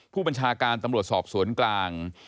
ผู้บัญชาการตำรวจสอบสวนกลาง